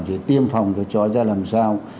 thì tiêm phòng cho chó ra làm sao